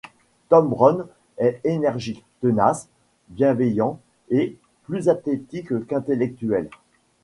Tom Brown est énergique, tenace, bienveillant et plus athlétique qu'intellectuel.